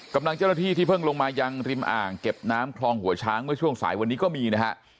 กำลังเจ้าหน้าที่ที่เพิ่งลงมายังริมอ่างเก็บน้ำคลองหัวช้างเมื่อช่วงสายวันนี้ก็มีนะฮะ